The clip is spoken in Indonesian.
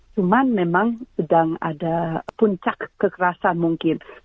cuman memang sedang ada puncak kekerasan mungkin